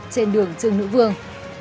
trên đường trưng nữ vương